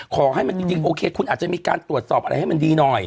ขอให้มันจริงโอเคคุณอาจจะมีการตรวจสอบอะไรให้มันดีหน่อย